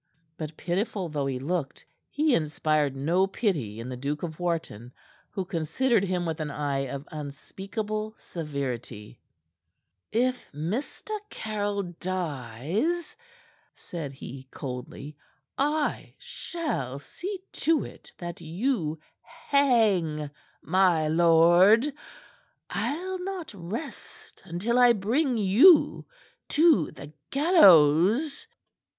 But pitiful though he looked, he inspired no pity in the Duke of Wharton, who considered him with an eye of unspeakable severity. "If Mr. Caryll dies," said he coldly, "I shall see to it that you hang, my lord. I'll not rest until I bring you to the gallows."